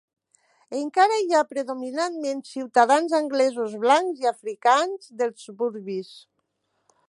Encara hi ha predominantment ciutadans anglesos blancs i afrikaans dels suburbis.